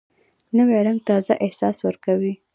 نوی رنګ تازه احساس ورکوي